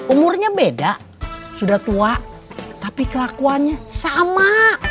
umurnya beda sudah tua tapi kelakuannya sama